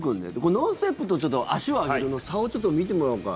ノーステップと足を上げるの差をちょっと見てもらおうか。